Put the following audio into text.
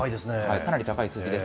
かなり高い数字です。